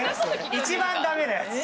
一番駄目なやつ。